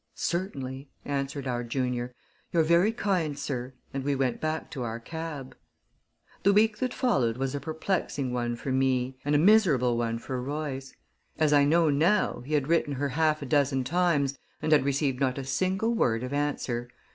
"Certainly," answered our junior. "You're very kind, sir," and we went back to our cab. The week that followed was a perplexing one for me, and a miserable one for Royce. As I know now, he had written her half a dozen times, and had received not a single word of answer.